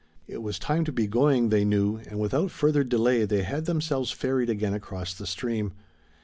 It was time to be going, they knew, and without further delay they had themselves ferried again across the stream.